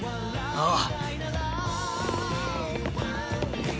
ああ！